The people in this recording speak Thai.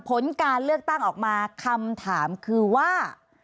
ผลการเลือกตั้งออกมาคำถามคือว่า